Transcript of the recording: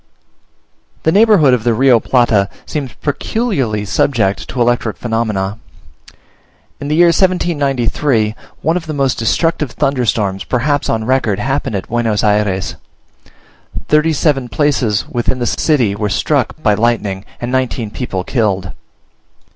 The neighbourhood of the Rio Plata seems peculiarly subject to electric phenomena. In the year 1793, one of the most destructive thunderstorms perhaps on record happened at Buenos Ayres: thirty seven places within the city were struck by lightning, and nineteen people killed.